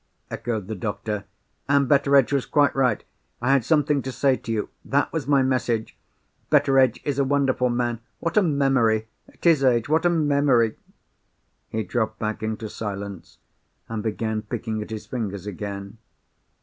echoed the doctor. "And Betteredge was quite right. I had something to say to you. That was my message. Betteredge is a wonderful man. What a memory! At his age, what a memory!" He dropped back into silence, and began picking at his fingers again.